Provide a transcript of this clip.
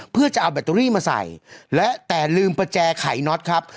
เพื่อจะเอาแบตเตอรี่มาใส่และแต่ลืมประแจไขน็อตครับ